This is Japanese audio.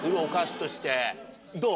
どう？